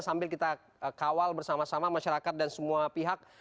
sambil kita kawal bersama sama masyarakat dan semua pihak